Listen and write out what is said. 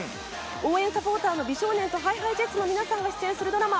応援サポーターの美少年とＨｉＨｉＪｅｔｓの皆さんが出演するドラマ